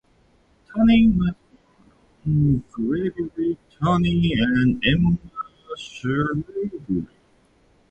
Toney was born to Gregory Toney and Emma Shrewsbury.